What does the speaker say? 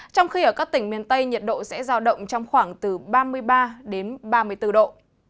trong khi ở các tỉnh miền tây nhiệt độ sẽ giao động trong khoảng từ ba mươi ba đến ba mươi bốn độ